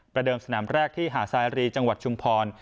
เดิมสนามแรกที่หาดสายรีจังหวัดชุมพร